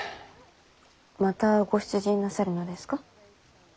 またご出陣なさるのですか？